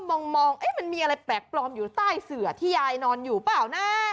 มองมันมีอะไรแปลกปลอมอยู่ใต้เสือที่ยายนอนอยู่เปล่านะ